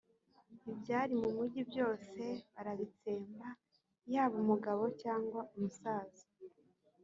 ibyari mu mugi byose barabitsemba, yaba umugabo, cyangwa umusaza.